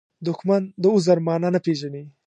دښمن د عذر معنا نه پېژني